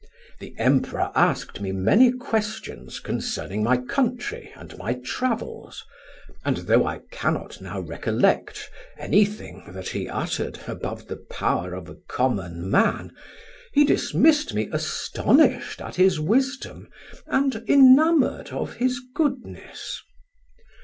The Emperor asked me many questions concerning my country and my travels, and though I cannot now recollect anything that he uttered above the power of a common man, he dismissed me astonished at his wisdom and enamoured of his goodness.